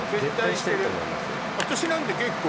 私なんて結構。